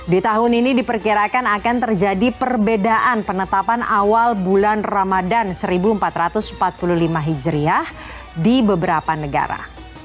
di tahun ini diperkirakan akan terjadi perbedaan penetapan awal bulan ramadan seribu empat ratus empat puluh lima hijriah di beberapa negara